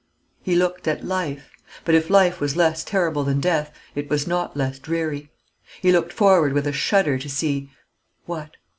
He looked at life; but if life was less terrible than death, it was not less dreary. He looked forward with a shudder to see what?